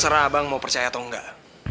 serah abang mau percaya atau enggak